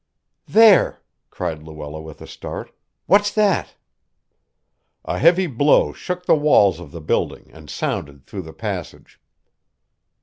"There!" cried Luella with a start; "what's that?" A heavy blow shook the walls of the building and sounded through the passage.